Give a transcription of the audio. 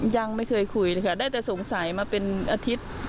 ยังไม่เคยคุยนะคะได้แต่สงสัยมาเป็นอาทิตย์